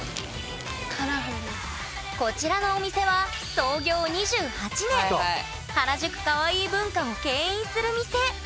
こちらのお店は原宿カワイイ文化をけん引する店。